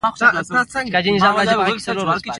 د احمد سپي غوا ته خوله ور اچولې ده.